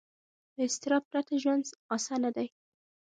له اضطراب پرته ژوند اسانه دی.